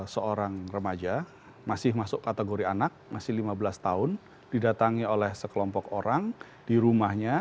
seorang remaja masih masuk kategori anak masih lima belas tahun didatangi oleh sekelompok orang di rumahnya